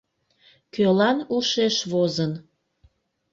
Кӧлан ушеш возын?